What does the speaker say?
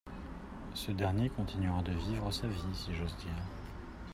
Ce dernier continuera de vivre sa vie, si j’ose dire.